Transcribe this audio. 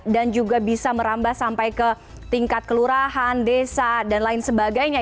dan juga bisa merambah sampai ke tingkat kelurahan desa dan lain sebagainya